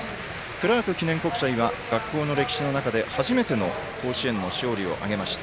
クラーク記念国際は学校の歴史の中で初めての甲子園の勝利を挙げました。